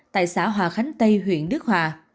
tại xã hòa khánh tây huyện đức hòa